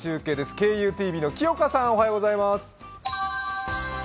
ＫＵＴＶの木岡さんおはようございます。